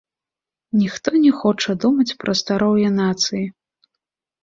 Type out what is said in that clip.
Ніхто не хоча думаць пра здароўе нацыі.